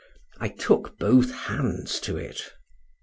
—I took both hands to it.